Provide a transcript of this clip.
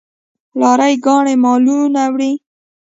لاری ګانې مالونه وړي.